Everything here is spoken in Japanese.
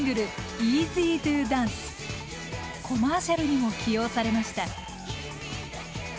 コマーシャルにも起用されました。